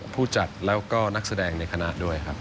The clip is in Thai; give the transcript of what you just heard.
ผู้จัดแล้วก็นักแสดงในคณะด้วยครับ